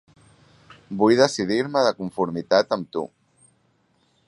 Vull decidir-me de conformitat amb tu.